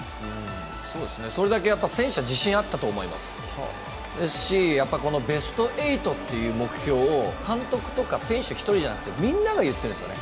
それだけ選手は自信あったと思いますし、やっぱりベスト８という目標を監督とか選手１人じゃなくてみんなが言ってるんですよね。